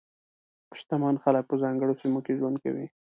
شتمن خلک په ځانګړو سیمو کې ژوند کوي.